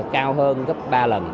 cao hơn gấp ba lần